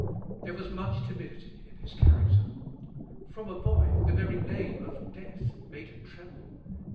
There was much timidity in his character. From a boy the very name of death made him tremble.